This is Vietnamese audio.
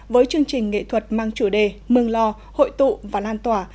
với chương trình nghệ thuật mang chủ đề mường lò hội tụ và lan tỏa